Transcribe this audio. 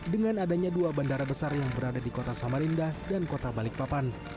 dengan adanya dua bandara besar yang berada di kota samarinda dan kota balikpapan